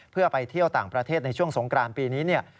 เพื่อไปเที่ยวต่างประเทศในช่วงสงกรานปีนี้